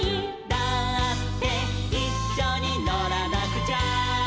「だっていっしょにのらなくちゃ」